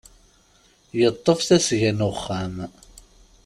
Yeṭṭef tasga n uxxam.